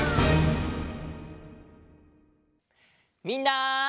みんな！